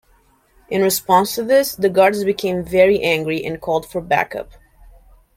In response to this, the guards became very angry and called for backup.